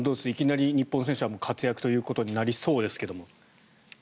いきなり日本選手は活躍ということになりそうですが。